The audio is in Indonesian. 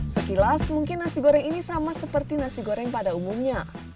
sekilas mungkin nasi goreng ini sama seperti nasi goreng pada umumnya